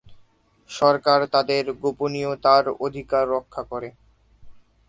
সরকার তাদের গোপনীয়তার অধিকার রক্ষা করে।